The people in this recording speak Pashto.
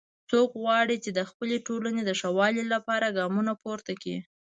څوک غواړي چې د خپلې ټولنې د ښه والي لپاره ګامونه پورته کړي